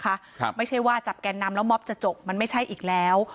ครับไม่ใช่ว่าจับแกนนำแล้วมอบจะจบมันไม่ใช่อีกแล้ว